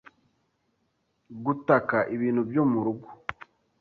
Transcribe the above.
gutaka ibintu byo mu rugo